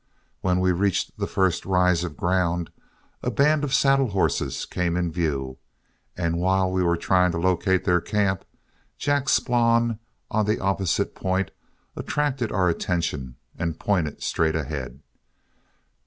When we reached the first rise of ground, a band of saddle horses came in view, and while we were trying to locate their camp, Jack Splann from the opposite point attracted our attention and pointed straight ahead.